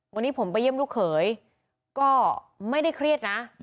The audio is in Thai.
วันนี้ผมไปเยี่ยมลูกเขยก็ไม่ได้เครียดนะ